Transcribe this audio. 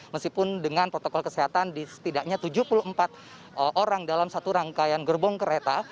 meskipun dengan protokol kesehatan di setidaknya tujuh puluh empat orang dalam satu rangkaian gerbong kereta